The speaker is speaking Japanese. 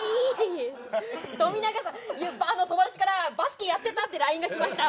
友達から「バスケやってた？」ってＬＩＮＥが来ました。